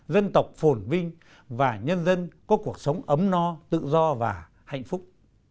dân tộc phồn vinh và nhân dân có cuộc sống ấm no tự do và hạnh phúc